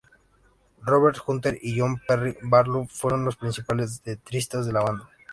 Robert Hunter y John Perry Barlow fueron los principales letristas de la banda.